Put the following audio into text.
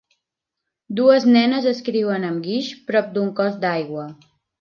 Dues nenes escriuen amb guix prop d'un cos d'aigua.